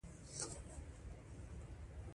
لویې شورا دوه نورې فرعي شوراګانې ټاکلې.